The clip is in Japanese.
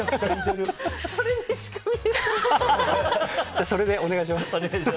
じゃあ、それでお願いします。